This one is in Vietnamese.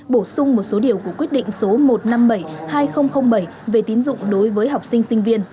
bổ sung một số điều của quyết định số một trăm năm mươi bảy hai nghìn bảy về tín dụng đối với học sinh sinh viên